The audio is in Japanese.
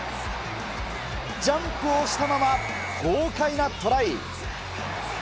ジャンプをしたまま、豪快なトライ。